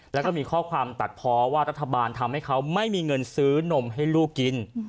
แล้วก็มีข้อความตัดเพราะว่ารัฐบาลทำให้เขาไม่มีเงินซื้อนมให้ลูกกิน